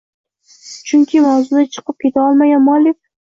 Chunki mavzudan chiqib keta olmagan muallif